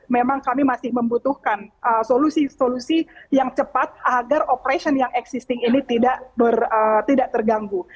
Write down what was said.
memang kami masih membutuhkan solusi solusi yang cepat agar operation yang existing ini tidak terganggu